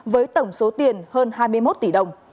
với tổng số tiền hơn hai mươi một tỷ đồng